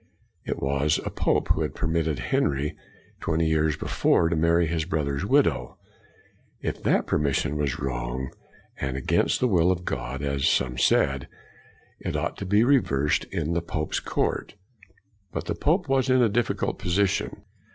It was a pope who had permitted Henry, twenty years before, to marry his brother's widow; if that permission was wrong, and against the will of God, as some said, it ought to be reversed in the Pope's Court. But the pope was in a difficult position.